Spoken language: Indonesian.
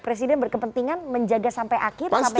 presiden berkepentingan menjaga sampai akhir sampai dari sini